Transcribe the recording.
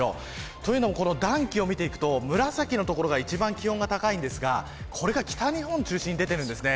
というのも、暖気を見ていくと紫の所が一番気温が高いんですがこれが北日本を中心に出ています。